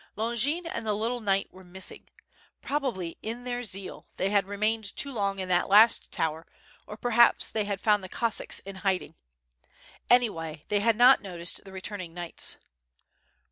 ^' Longin and the little knight were missing. Probably in their zeal they had remained too long in the last tower, or perhaps they had found Cossacks in hiding. Anyway they had not noticed the returning knights.